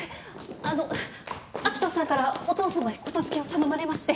あの明人さんからお父さまへ言付けを頼まれまして。